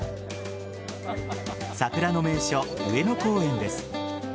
桜の名所・上野公園です。